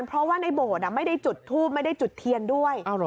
เพราะว่าในโบสถ์ไม่ได้จุดทูปไม่ได้จุดเทียนด้วย